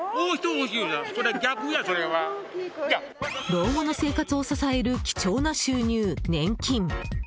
老後の生活を支える貴重な収入、年金。